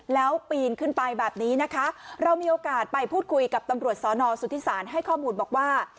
แล้วปีนขึ้นไปแบบนี้นะคะเรามีโอกาสไปพูดคุยกับตำรวจสอนอสุทธิศาลให้ข้อมูลบอกว่า